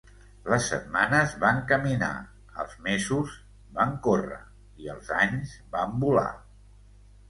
Les setmanes van caminar, els mesos van córrer i els anys van volar.